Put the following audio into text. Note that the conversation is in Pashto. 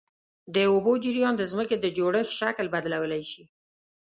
د اوبو جریان د ځمکې د جوړښت شکل بدلولی شي.